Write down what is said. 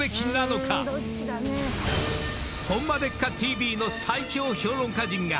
［『ホンマでっか⁉ＴＶ』の最強評論家陣が］